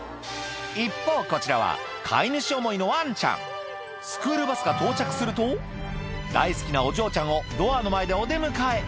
一方こちらは飼い主思いのワンちゃんスクールバスが到着すると大好きなお嬢ちゃんをドアの前でお出迎え